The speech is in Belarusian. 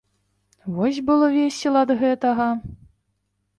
Вось было весела ад гэтага.